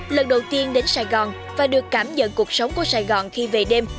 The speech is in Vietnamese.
lần đầu tiên đến sài gòn và được cảm nhận cuộc sống của sài gòn khi về đêm